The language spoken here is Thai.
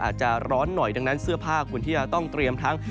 อาจจะร้อนหน่อยดังนั้นเสื้อผ้าควรที่จะต้องเตรียมทั้ง